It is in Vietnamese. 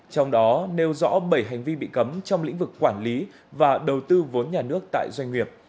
trong đó nêu rõ bảy hành vi bị cấm trong lĩnh vực quản lý và đầu tư vốn nhà nước tại doanh nghiệp